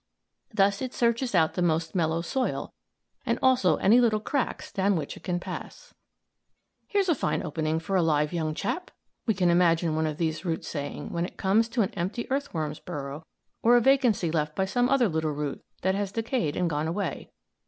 Thus it searches out the most mellow soil and also any little cracks down which it can pass. [Illustration: CHARLES DARWIN The great naturalist.] "Here's a fine opening for a live young chap," we can imagine one of these roots saying when it comes to an empty earthworm's burrow or a vacancy left by some other little root that has decayed and gone away.